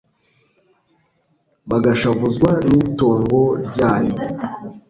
bagashavuzwa n'itongo ryayo